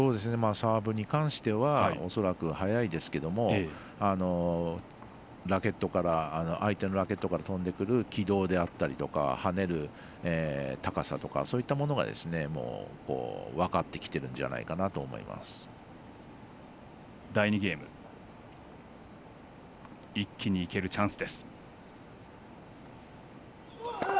サーブに関しては恐らく速いですけれども相手のラケットから飛んでくる軌道であったりとかはねる高さとかそういうものが分かってきているんじゃ一気にいけるチャンス。